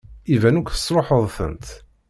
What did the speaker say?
Iban akk tesṛuḥeḍ-tent.